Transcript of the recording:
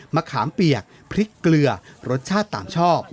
ขามเปียกพริกเกลือรสชาติตามชอบ